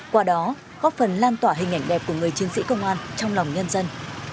qua đó góp phần lan tỏa hình ảnh đẹp của người chiến sĩ công an trong lòng nhân dân